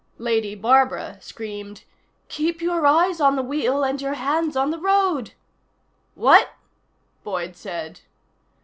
Lady Barbara screamed: "Keep your eyes on the wheel and your hands on the road!" "What?" Boyd said.